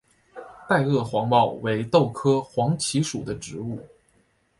袋萼黄耆为豆科黄芪属的植物。